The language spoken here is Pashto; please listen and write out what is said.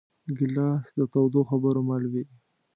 ګیلاس د تودو خبرو مل وي.